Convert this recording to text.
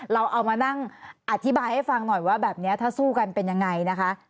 เราเอามานั่งอธิบายให้ฟังหน่อยว่าแบบนี้ถ้าสู้กันเป็นยังไงนะคะ